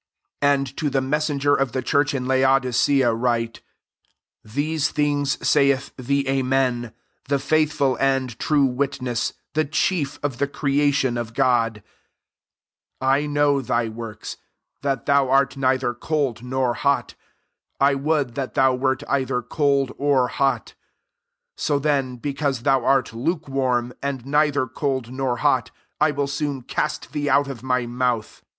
14 " And to the messenger of the church in Laodicea write: < These things saith the Amen, the faithful and true witness, the chief of the creation of God :t 15 I know thy works, that thou art neither cold nor hot: I would that thou wert either cold or hot. 1 6 So ^^f ;i«because thou art lukewarm, and neither cold nor hot| I will soon cast thee out of my mouth.